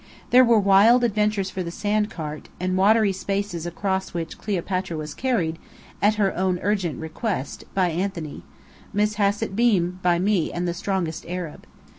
There were wild adventures for the sandcart, and watery spaces across which Cleopatra was carried (at her own urgent request) by Anthony; Miss Hassett Bean by me and the strongest Arab.